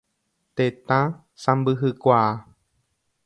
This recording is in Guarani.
Tetã sãmbyhykuaa.